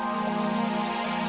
jaga baik baik ya rana